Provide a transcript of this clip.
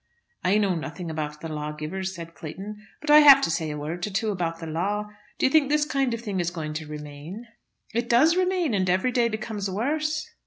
"I know nothing about the lawgivers," said Clayton, "but I have to say a word or two about the law. Do you think this kind of thing is going to remain?" "It does remain, and every day becomes worse."